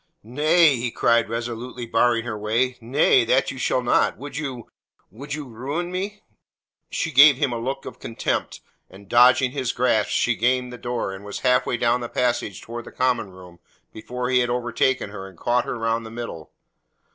"Nay," he cried, resolutely barring her way. "Nay. That you shall not. Would you would you ruin me?" She gave him a look of contempt, and dodging his grasp she gained the door and was half way down the passage towards the common room before he had overtaken her and caught her round the middle.